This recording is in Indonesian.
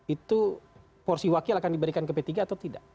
itu porsi wakil akan diberikan ke p tiga atau tidak